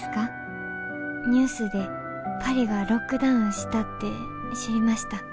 ニュースでパリがロックダウンしたって知りました。